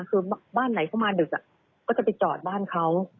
คือบ้านไหนเข้ามาดึกก็จะไปจอดบ้านเขา